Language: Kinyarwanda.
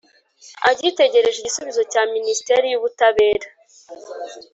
agitegereje igisubizo cya minisiteri y ubutabera